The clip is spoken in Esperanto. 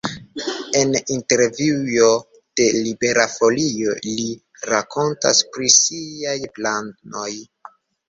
En intervjuo de Libera Folio li rakontas pri siaj planoj.